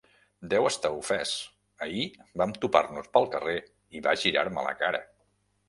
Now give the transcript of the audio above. Deu estar ofès: ahir vam topar-nos pel carrer i va girar-me la cara.